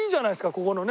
ここのね。